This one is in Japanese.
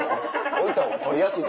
置いた方が撮りやすい。